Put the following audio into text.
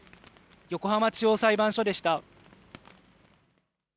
横浜地方裁判所でした。